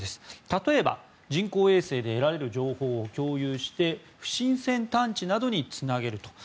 例えば人工衛星で得られる情報を共有して不審船探知などにつなげると。